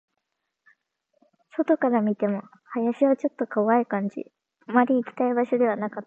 外から見ても、林はちょっと怖い感じ、あまり行きたい場所ではなかった